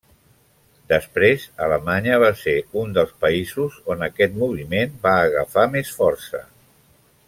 Després, Alemanya va ser un dels països on aquest moviment va agafar més força.